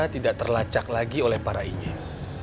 tidak terlacak lagi oleh para ingat